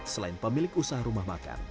selain pemilik usaha rumah makan